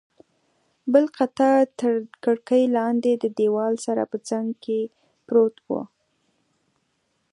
بل قطار تر کړکۍ لاندې، د دیوال سره په څنګ کې پروت و.